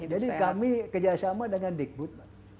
jadi kami kerjasama dengan dickwood